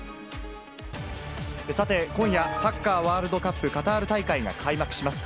さて、今夜サッカーワールドカップカタール大会が開幕します。